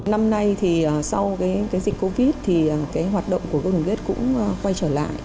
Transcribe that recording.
năm nay thì sau dịch covid thì hoạt động của công ty tết cũng quay trở lại